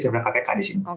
daripada kpk di sini